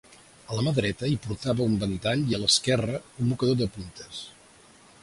A la mà dreta hi portava un ventall i a l'esquerra, un mocador de puntes.